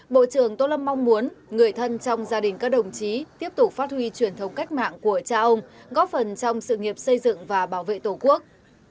bộ trưởng tô lâm mong muốn người thân trong gia đình các đồng chí tiếp tục phát huy truyền thống cách mạng của cha ông góp phần trong sự nghiệp xây dựng và bảo vệ tổ quốc